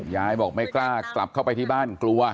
ยายบอกไม่กล้ากลับเข้าไปที่บ้านกลัว